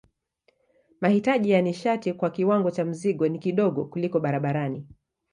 Mahitaji ya nishati kwa kiwango cha mzigo ni kidogo kuliko barabarani.